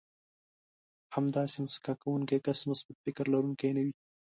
همداسې مسکا کوونکی کس مثبت فکر لرونکی نه وي.